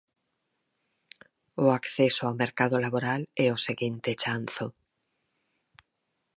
O acceso ao mercado laboral é o seguinte chanzo.